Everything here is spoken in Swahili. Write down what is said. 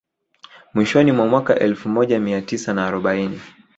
Mwishoni mwa mwaka wa elfu moja mia tisa na arobaini